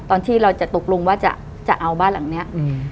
ตอนที่เราจะตกลงว่าจะเอาบ้านหลังเนี้ยอืม